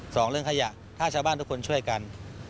สองเรื่องขยะถ้าชาวบ้านทุกคนช่วยกัน